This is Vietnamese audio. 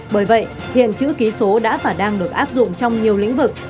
bởi vậy hiện chữ ký số đã và đang được áp dụng trong nhiều lĩnh vực